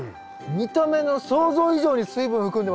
見た目の想像以上に水分含んでますね。